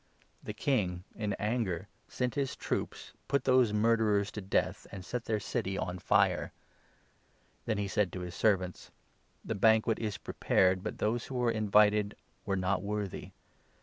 The king, in anger, sent 7 his troops, put those murderers to death, and set their city on fire. Then he said to his servants ' The banquet is pre 8 pared, but those who were invited were not worthy.